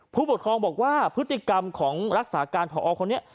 ผู้ปกครองบอกว่าพฤติกรรมของรักษาการผอคนนี้